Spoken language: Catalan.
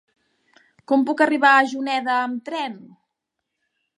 Com puc arribar a Juneda amb tren?